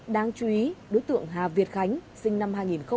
đáng chú ý đối tượng hà việt khánh sinh năm hai nghìn